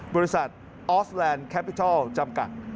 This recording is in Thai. บริษัทออสแลนด์แคปิทัลจำกัด